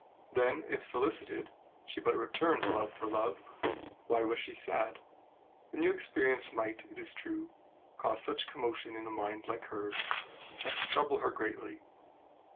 Then if, solicited, she but returned love for love, why was she sad? The new experience might, it is true, cause such commotion in a mind like hers as to trouble her greatly.